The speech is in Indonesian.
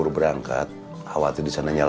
dateng kok gak bilang punten